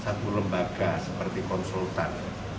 satu lembaga seperti konsultan